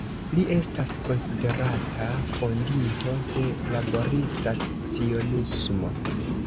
Li estas konsiderata fondinto de Laborista Cionismo.